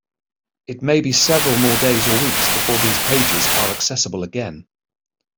It may be several more days or weeks before these pages are accessible again.